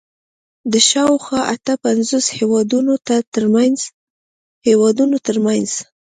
د شاوخوا اته پنځوس هېوادونو تر منځ